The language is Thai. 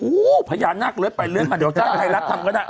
อู้วพญานักเลือดไปเลือดมาเดี๋ยวจ้างไทยรัฐทำกันอ่ะ